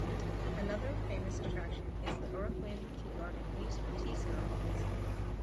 Another famous attraction is the Urakuen tea garden used for tea ceremonies.